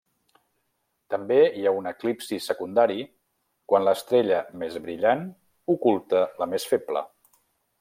També hi ha un eclipsi secundari quan l'estrella més brillant oculta la més feble.